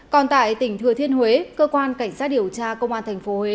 còn tại tỉnh thừa thiên huế cơ quan cảnh sát điều tra công an tp huế